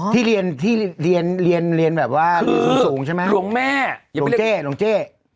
ที่เรียนแบบว่าคือหลวงแม่หลวงเจ๊